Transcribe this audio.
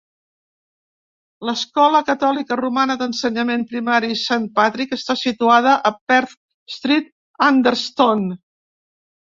L"escola catòlica romana d"ensenyament primari Saint Patrick està situada a Perth Street, Anderston.